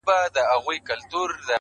او خپل حساب کوي دننه,